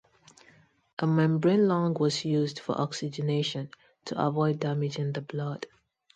A membrane lung was used for oxygenation to avoid damaging the blood.